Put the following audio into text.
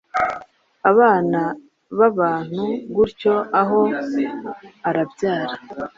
abana n’abantu gutyo, aho, arabyara,